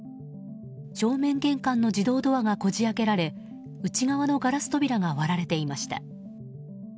正面玄関の自動ドアがこじ開けられ内側のガラス扉が割られていました。